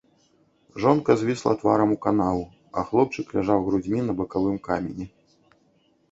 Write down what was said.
Жонка звісла тварам у канаву, а хлопчык ляжаў грудзьмі на бакавым камені.